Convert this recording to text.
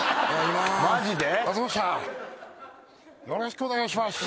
よろしくお願いします。